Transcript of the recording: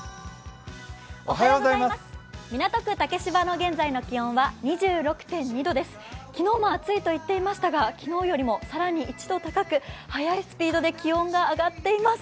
港区・竹芝の現在の気温は２６．２度昨日も暑いと言っていましたが昨日よりも更に１度高く、速いスピードで気温が上がっています。